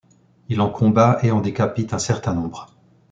Il en combat et en décapite un certain nombre.